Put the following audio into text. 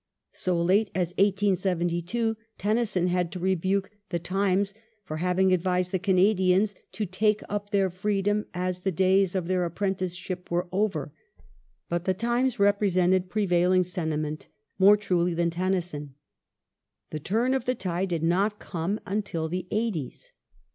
1 So late as 1872 Tennyson had to rebuke The Times for having advised the Canadians to '* take up their freedom as the days of their apprenticeship were over ". But The Times repre sented prevailing sentiment more truly than Tennyson. The turn of the tide did not come until the 'eighties.